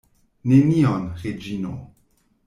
Nenion, Reĝino.